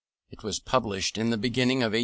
It was published in the beginning of 1818.